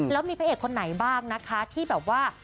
แล้วมีพระเอกคนไหนบ้างนะคะที่แบบว่า